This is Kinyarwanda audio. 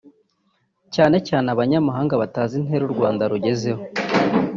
cyane cyane abanyamahanga batazi intera u Rwanda rugezeho